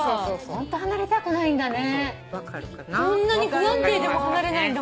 絶対離れたくないんだね。